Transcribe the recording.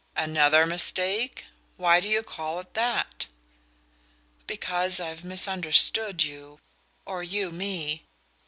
"Another mistake? Why do you call it that?" "Because I've misunderstood you or you me."